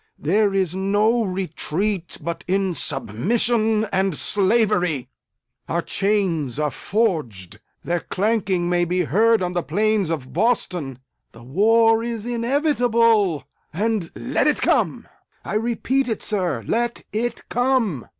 There is no retreat but in submission and slavery! Our chains are forged! Their clanking may be heard on the plains of Boston! The war is inevitable and let it come! I repeat it, sir, let it come!